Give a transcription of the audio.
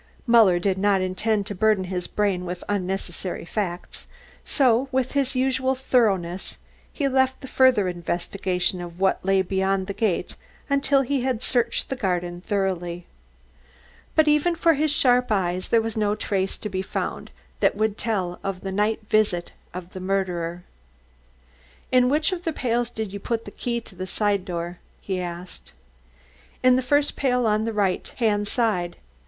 Muller did not intend to burden his brain with unnecessary facts, so with his usual thoroughness he left the further investigation of what lay beyond the gate, until he had searched the garden thoroughly. But even for his sharp eyes there was no trace to be found that would tell of the night visit of the murderer. "In which of the pails did you put the key to the side door?" he asked. "In the first pail on the right hand side.